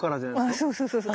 ああそうそうそうそう。